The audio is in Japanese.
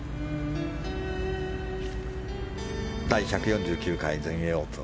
第１４９回全英オープン。